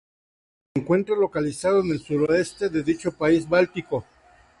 Se encuentra localizado en el suroeste de dicho país báltico.